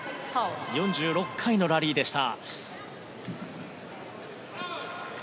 ４６回のラリーでした。